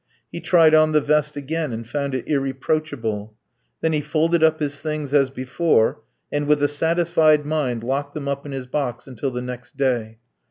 He tried on the vest again and found it irreproachable. Then he folded up his things as before, and with a satisfied mind locked them up in his box until the next day.